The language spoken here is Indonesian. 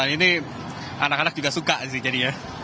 ini anak anak juga suka sih jadinya